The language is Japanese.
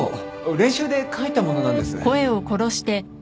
練習で書いたものなんです。